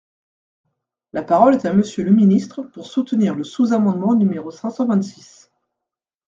La parole est à Monsieur le ministre, pour soutenir le sous-amendement numéro cinq cent vingt-six.